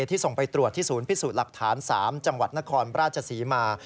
ที่ส่งไปตรวจที่ศูนย์พิสูจน์หลักฐาน๓จังหวัดนครราชศรีมา